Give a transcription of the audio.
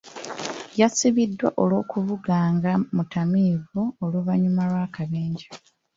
Yasibiddwa olw'okuvuga nga mutamiivu oluvannyuma lw'akabenje.